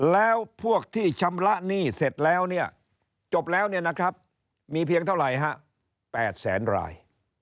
แล้วพวกที่ชำระหนี้เสร็จแล้วเนี่ยจบแล้วมีเพียงเท่าไหร่๘๐๐๐๐๐๐ราย